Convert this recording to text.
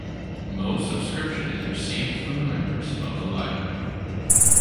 Mo subscription is received from the members of the library.